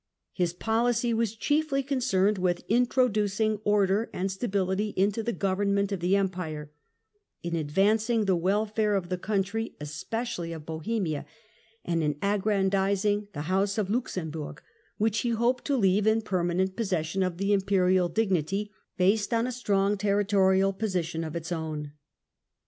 His policy was chiefly concerned with introducing order Policy and stability into the government of the Empire, in ad vancing the welfare of the country, especially of Bohemia, 22 THE END OF THE MIDDLE AGE and in aggrandising the House of Luxemburg, which he hoped to leave in permanent possession of the Imperial dignity, based on a strong territorial position of its own.